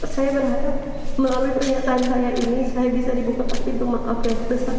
saya berharap melalui pernyataan saya ini saya bisa dibuka pintu maaf yang besar